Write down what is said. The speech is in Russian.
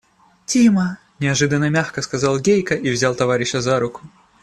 – Тима! – неожиданно мягко сказал Гейка и взял товарища за руку.